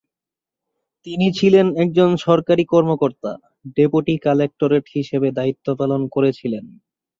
তিনি ছিলেন একজন সরকারি কর্মকর্তা, ডেপুটী কালেকটরেট হিসাবে দায়িত্ব পালন করেছিলেন।